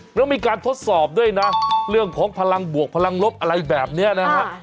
แล้วมีการทดสอบด้วยนะเรื่องของพลังบวกพลังลบอะไรแบบนี้นะฮะ